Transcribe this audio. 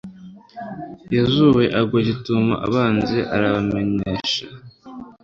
yozuwe agwa gitumo abanzi, arabamenesha